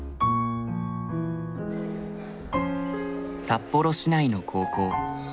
札幌市内の高校。